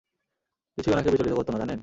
কিছুই ওনাকে বিচলিত করত না, জানেন?